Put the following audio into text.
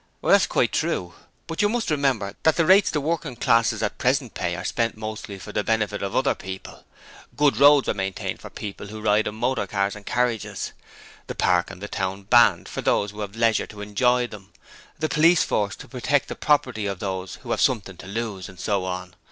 'That's quite true, but you must remember that the rates the working classes at present pay are spent mostly for the benefit of other people. Good roads are maintained for people who ride in motor cars and carriages; the Park and the Town Band for those who have leisure to enjoy them; the Police force to protect the property of those who have something to lose, and so on.